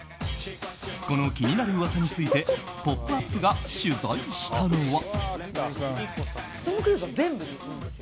この気になる噂について「ポップＵＰ！」が取材したのは。